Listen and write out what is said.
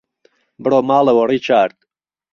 بڕۆ ماڵەوە، ڕیچارد.